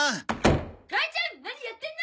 母ちゃん何やってんの！